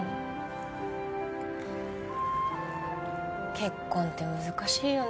結婚って難しいよね。